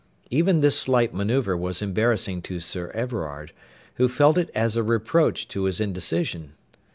Even this slight manoeuvre was embarrassing to Sir Everard, who felt it as a reproach to his indecision.